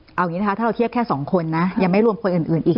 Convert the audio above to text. เอาอย่างงี้นะคะถ้าเราเทียบแค่สองคนนะแล้วไม่รวมคนอื่นอื่นอีก